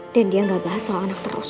dan dia gak bahas soal anak terus